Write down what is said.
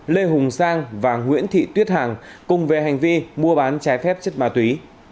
lê hùng sang và nguyễn thị tuyết hằng cùng về hành vi mua bán trái phép chất ma túy